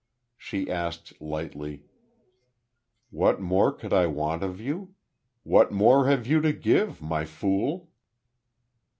She asked, lightly: "What more could I want of you? What more have you to give, My Fool?"